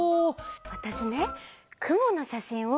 わたしねくものしゃしんをとってたんだ。